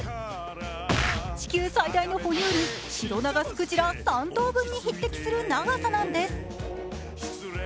地球最大の哺乳類・シロナガスクジラ３頭分の匹敵する長さなんです。